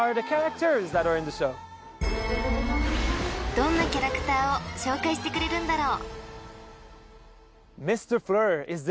［どんなキャラクターを紹介してくれるんだろう？］